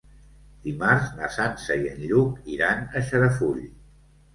Dimarts na Sança i en Lluc iran a Xarafull.